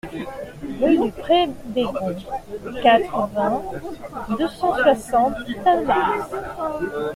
Rue du Pré Bégond, quatre-vingts, deux cent soixante Talmas